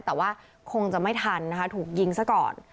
แต่ว่าคงจะไม่ทันนะคะถูกยิงซะก่อน